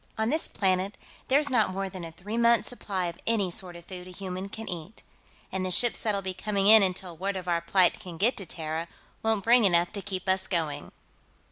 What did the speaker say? "On this planet, there's not more than a three months' supply of any sort of food a human can eat. And the ships that'll be coming in until word of our plight can get to Terra won't bring enough to keep us going.